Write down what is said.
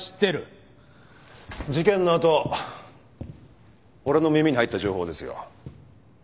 事件の後俺の耳に入った情報ですよ。